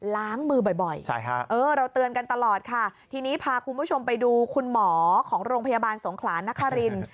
ล้างมือบ่อยเราเตือนกันตลอดค่ะทีนี้พาคุณผู้ชมไปดูคุณหมอของโรงพยาบาลสงขลานนคริน